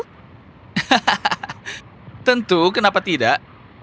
hahaha tentu kenapa tidak